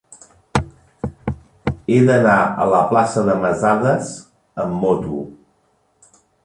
He d'anar a la plaça de Masadas amb moto.